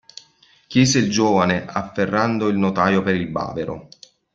Chiese il giovane, afferrando il notaio per il bavero.